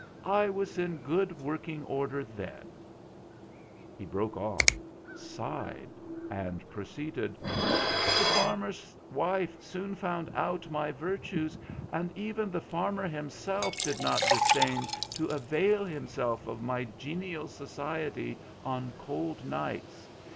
I was in good working order then !" He broke off, sighed, and proceeded : "The farmer's wife soon found out my vir tues, and even the farmer himself did not dis dain to avail himself of my genial society on cold nights.